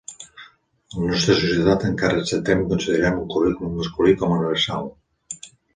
A la nostra societat encara acceptem i considerem el currículum masculí com a universal.